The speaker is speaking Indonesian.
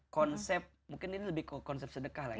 konsep mungkin ini lebih ke konsep sedekah lah ya